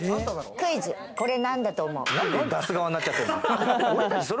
クイズ、これなんだと思う？